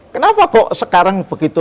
kenapa kok sekarang begitu